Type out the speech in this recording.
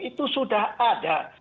itu sudah ada